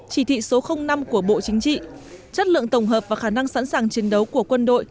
chỉ thị số năm của bộ chính trị chất lượng tổng hợp và khả năng sẵn sàng chiến đấu của quân đội